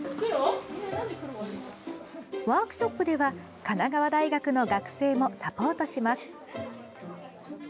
ワークショップでは神奈川大学の学生もサポートします。